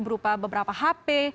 berupa beberapa hp